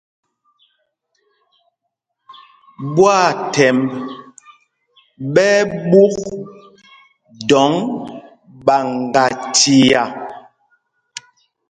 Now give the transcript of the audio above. Ɓwaathɛmb ɓɛ́ ɛ́ ɓûk dɔŋ ɓaŋgachia.